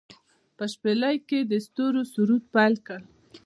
په شپیلۍ کې يې د ستورو سرود پیل کړ